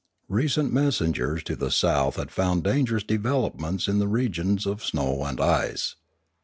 Recent messengers to the south had found dangerous developments in the regions of snow and ice.